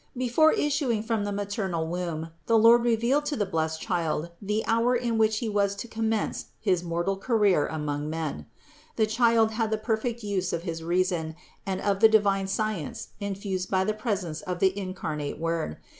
Before issuing from the maternal womb the Lord re vealed to the blessed child the hour in which he was to commence his mortal career among men. The child had the perfect use of his reason, and of the divine science infused by the presence of the incarnate Word.